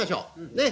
ねえ。